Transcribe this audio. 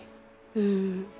うん。